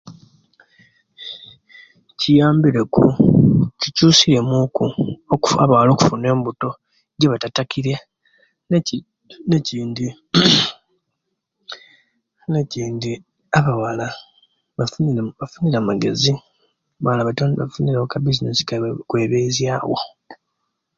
Kiyambire ku kikyusirye muku okufa abawala okufuna embuto ejibatatakire neki nekindi, nekindi abawala basi basinga magezi bawala abafunire akabizinesi kaibwe okwebesyawo.